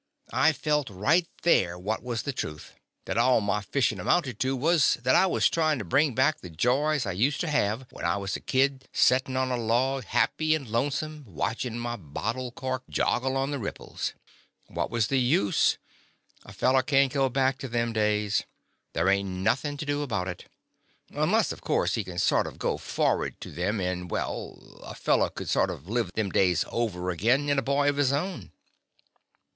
I felt right there what was the truth, that all my fishing amounted to was, that I was tryin' to bring back the joys I used to have when I was a kid, settin' on a log, happy and lone some, watchin' my bottle cork joggle on the ripples. What was the use? A feller can't go back to them days. There ain't nothing to do about it. Unless, of course, he can sort of go forward to them in — well, a feller could sort of live them days over agin in a boy of his own.